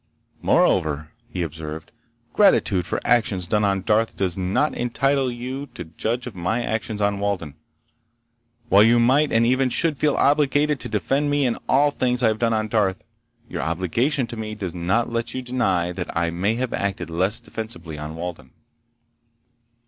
"Moreover," he observed, "gratitude for actions done on Darth does not entitle you to judge of my actions on Walden. While you might and even should feel obliged to defend me in all things I have done on Darth, your obligation to me does not let you deny that I may have acted less defensibly on Walden."